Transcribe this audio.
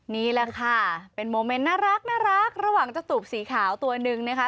นี่แหละค่ะเป็นโมเมนต์น่ารักระหว่างเจ้าตูบสีขาวตัวหนึ่งนะคะ